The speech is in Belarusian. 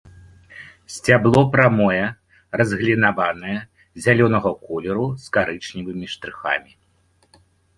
Сцябло прамое, разгалінаванае, зялёнага колеру з карычневымі штрыхамі.